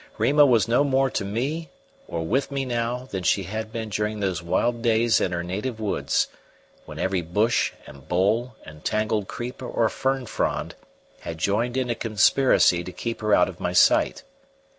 Rima was no more to me or with me now than she had been during those wild days in her native woods, when every bush and bole and tangled creeper or fern frond had joined in a conspiracy to keep her out of my sight.